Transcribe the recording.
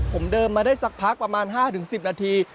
ผมเดินมาได้สักพักประมาณ๕๑๐นาที